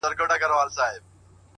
جونګړه د زمرو ده څوک به ځي څوک به راځي٫